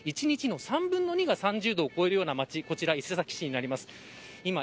１日の３分の２が３０度を超えるような街、伊勢崎市です。